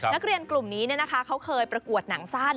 นักเรียนกลุ่มนี้เขาเคยประกวดหนังสั้น